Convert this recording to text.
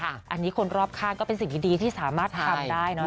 อันนี้คนรอบข้างก็เป็นสิ่งดีที่สามารถทำได้เนอะ